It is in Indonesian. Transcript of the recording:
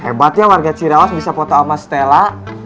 hebatnya warga cirawas bisa foto sama stella